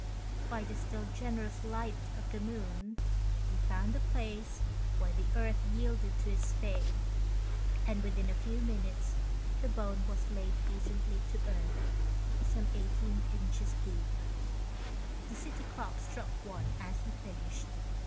By the still generous light of the moon, he found a place where the earth yielded to his spade, and within a few minutes the bone was laid decently to earth, some 18 inches deep. The city clocks struck one as he finished.